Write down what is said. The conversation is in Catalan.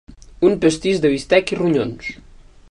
Un pastís de bistec i ronyons.